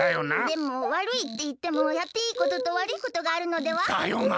でもわるいっていってもやっていいこととわるいことがあるのでは？だよな。